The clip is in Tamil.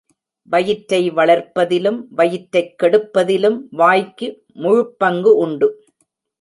வயிற்றை வளர்ப்பதிலும் வயிற்றைக் கெடுப்பதிலும், வாய்க்கு முழுப்பங்கு உண்டு.